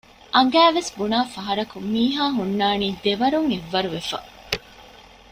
އަނގައިވެސް ބުނާފަހަރަކު މީހާހުންނާނީ ދެވަރުން އެއްވަރު ވެފަ